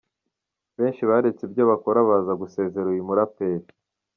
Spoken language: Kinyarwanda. Benshi baretse ibyo bakora baza gusezera uyu muraperi.